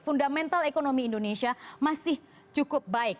fundamental ekonomi indonesia masih cukup baik